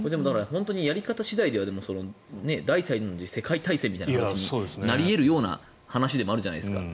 本当にやり方次第では第３次世界大戦みたいな話になり得るような話でもあるじゃないですか。